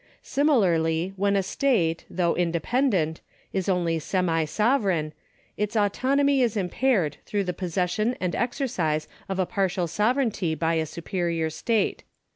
Similarly when a state, though independent, is only semi sovereign, its autonomy is impaired through the possession and exercise of a partial sovereignty by the superior state.